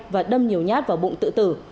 và đâm nhiều nhát vào bụng tự tử